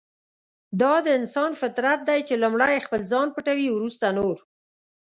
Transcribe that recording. دا د انسان فطرت دی چې لومړی خپل ځان پټوي ورسته نور.